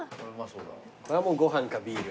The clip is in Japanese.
これはもうご飯かビール。